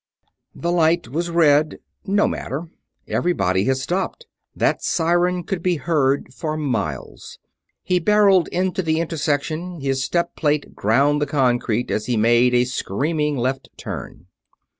The light was red. No matter everybody had stopped that siren could be heard for miles. He barreled into the intersection; his step plate ground the concrete as he made a screaming left turn.